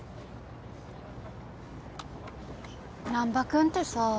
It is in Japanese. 難破君ってさ。